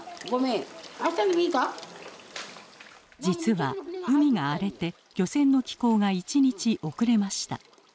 実は海が荒れて漁船の帰港が一日遅れました。